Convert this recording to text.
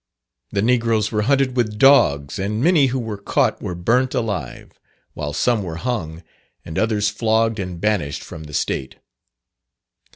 The negroes were hunted with dogs, and many who were caught were burnt alive; while some were hung, and others flogged and banished from the State.